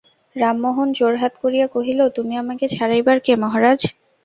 রামমোহন জোড়হাত করিয়া কহিল, তুমি আমাকে ছাড়াইবার কে, মহারাজ?